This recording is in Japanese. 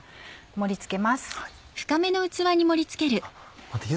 盛り付けます。